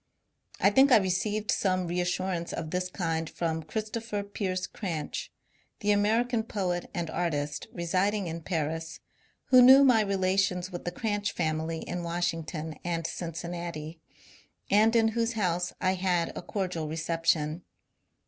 I think I re ceived some reassurance of this kind from Christopher Pearse Cranch, the American poet and artist, residing in Paris, who knew my relations with the Cranch family in Washington and Cincinnati, and in whose house I had a cordial reception.